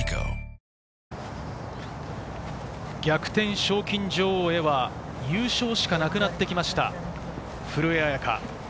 賞金女王へは優勝しかなくなってきました、古江彩佳。